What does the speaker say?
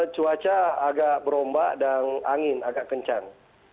cuaca agak berombak dan angin agak kencang